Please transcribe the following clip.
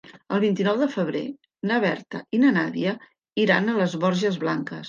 El vint-i-nou de febrer na Berta i na Nàdia iran a les Borges Blanques.